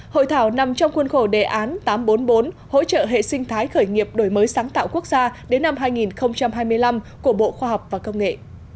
hội thảo nằm trong khuôn khổ đề án tám trăm bốn mươi bốn hỗ trợ hệ sinh thái khởi nghiệp đổi mới sáng tạo quốc gia đến năm hai nghìn hai mươi năm của bộ khoa học và công nghệ